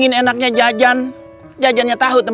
nino buka pintu